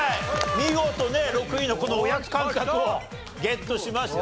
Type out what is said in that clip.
見事ね６位のこのおやつ感覚をゲットしました。